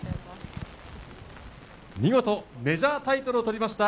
見事、メジャータイトルを取りました、